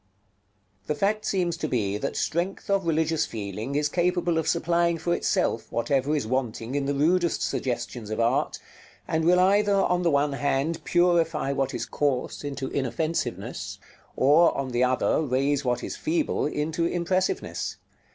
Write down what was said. § LX. The fact seems to be that strength of religious feeling is capable of supplying for itself whatever is wanting in the rudest suggestions of art, and will either, on the one hand, purify what is coarse into inoffensiveness, or, on the other, raise what is feeble into impressiveness.